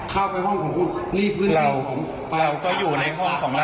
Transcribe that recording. เข้าไปห้องของคุณนี่พื้นที่ผมเราก็อยู่ในห้องของเรา